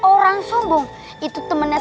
orang yang suka menyombongkan diri itu temennya